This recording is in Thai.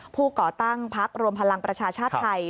ก่อตั้งพักรวมพลังประชาชาติไทย